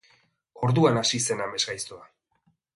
Orduan hasi zen amesgaiztoa.